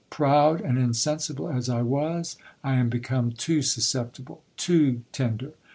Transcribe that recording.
Proud and insensible as I was, I am become too sus ceptible, too tender.